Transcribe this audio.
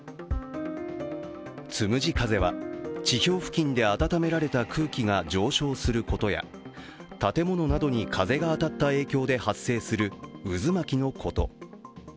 つむじ風は地表付近で温められた空気が上昇することや、建物などに風が当たった影響で発生する渦巻きのこと。